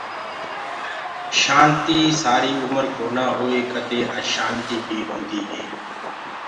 شآنتي سآري اُمر ڪونآ هوئي ڪدي اشآنتي بي هوندي هي